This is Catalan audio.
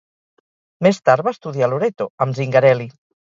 Més tard va estudiar a Loreto amb Zingarelli.